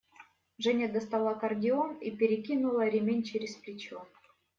Женя достала аккордеон и перекинула ремень через плечо.